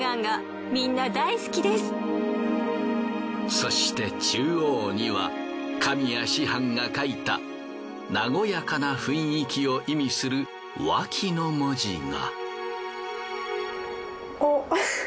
そして中央には神谷師範が書いた和やかな雰囲気を意味する「和氣」の文字が。